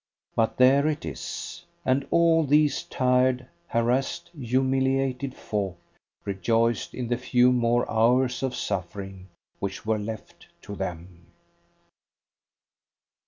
But there it is, and all these tired, harassed, humiliated folk rejoiced in the few more hours of suffering which were left to them.